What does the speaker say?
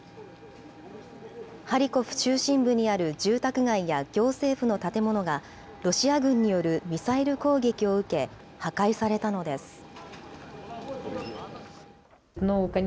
ハリコフ中心部にある住宅街や行政府の建物が、ロシア軍によるミサイル攻撃を受け、破壊されたのです。